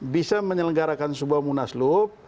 bisa menyelenggarakan sebuah munaslub